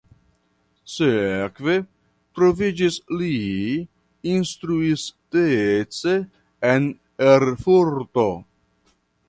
Sekve troviĝis li instruistece en Erfurto.